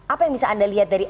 apa yang bisa anda lihat dari